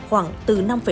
khoảng từ năm năm